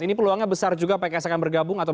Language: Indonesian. ini peluangnya besar juga pks akan bergabung atau